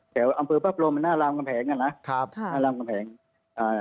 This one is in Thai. แถวอำเภอพระพรมมันหน้ารามกำแหงอ่ะนะครับค่ะหน้ารามกำแหงอ่า